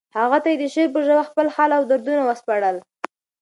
هغه ته یې د شعر په ژبه خپل حال او دردونه وسپړل